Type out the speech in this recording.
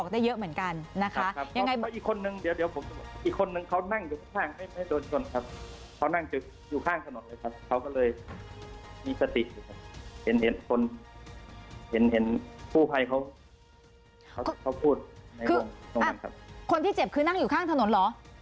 คือคนที่เจ็บนั่งอยู่ข้างถนนหรอ